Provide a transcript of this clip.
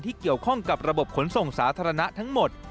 เกี่ยวข้องกับระบบขนส่งสาธารณะทั้งหมด